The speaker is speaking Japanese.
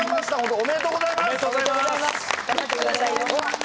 おめでとうございます。